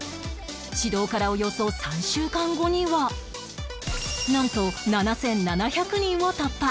指導からおよそ３週間後にはなんと７７００人を突破！